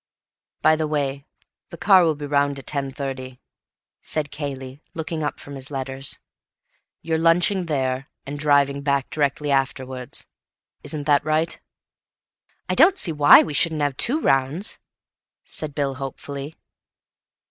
"By the way, the car will be round at 10.30," said Cayley, looking up from his letters. "You're lunching there, and driving back directly afterwards. Isn't that right?" "I don't see why we shouldn't have—two rounds," said Bill hopefully.